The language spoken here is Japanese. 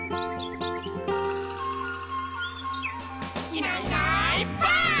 「いないいないばあっ！」